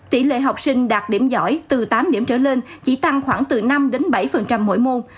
tỷ lệ học sinh đạt điểm giỏi từ tám điểm trở lên chỉ tăng khoảng từ năm bảy mỗi môn